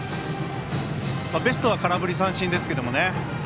ベストは空振り三振ですけどね。